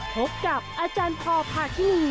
พบกับอาจารย์พอพาคินี